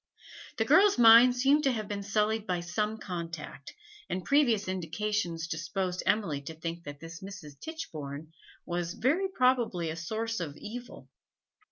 The girl's mind seemed to have been sullied by some contact, and previous indications disposed Emily to think that this Mrs. Tichborne was very probably a source of evil.